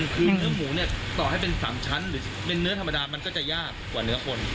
คือเนื้อหมูเนี่ยต่อให้เป็น๓ชั้นหรือเป็นเนื้อธรรมดามันก็จะยากกว่าเนื้อคน